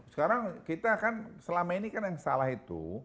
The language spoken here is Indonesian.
sekarang kita kan selama ini kan yang salah itu